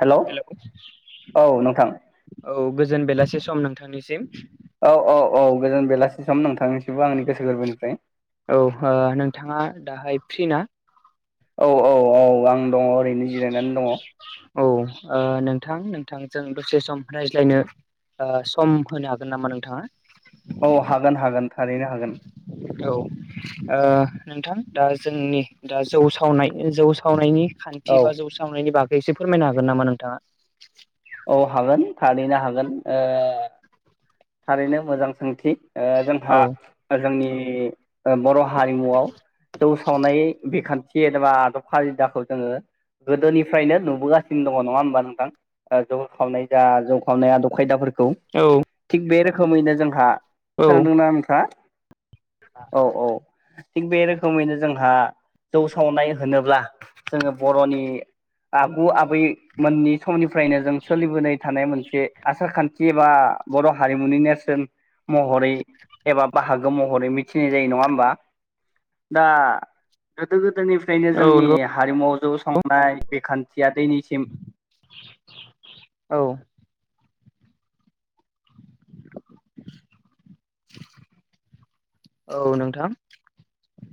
hello hello औ नोंथां औ गोजोन बेलासि सम नोंथांनिसिम औ औ औ गोजोन बेलासि सम नोंथांनिसिमबो आंनि गोसो गोरबोनिफ्राय औ नोंथाङा दाहाय फ्रि ना औ औ औ आं दङ ओरैनो जिरायनानै दङ औ ओ नोंथां नोंथांजों दसे सम रायज्लायनो सम होनो हागोन नामा नोंथाङा औ हागोन हागोन थारैनो हागोन औ नोंथां दा जोंनि दा जौ सावनाय जौ सावनायनि खान्थि औ बा जौ सावनायनि बागै एसे फोरमायनो हागोन नामा नोंथाङा औ हागोन थारैनो थारैनो मोजां सोंथि औ जोंहा जोंनि बर' हारिमुआव जौ सावनाय बिखान्थि एबा आदब खायदाखौ जोङो गोदोनिफ्रायनो नुबोगासिनो दङ नङा होमबा नोंथां जौ खावनाय जा जौ खावनाय आदब खायदाफोरखौ औ थिग बे रोखोमैनो जोंहा औ खोनादोंना नोंथाङा औ औ थिग बे रोखोमैनो जोंहा जौ सावनाय होनोब्ला जोङो बर'नि आगु आबै मोननि समनि निफ्रायनो जों सोलिबोनाय थानाय मोनसे आसार खान्थि एबा बर' हारिमुनि नेरसोन महरै एबा बाहागो महरै मिथिनाय जायो नङा होमबा दा गोदो गोदायनिफ्रायनो औ जोंनि नंगौ हारिमुआव जौ संनाय बेखान्थि [unintelligible] निसिम औ औ नोंथां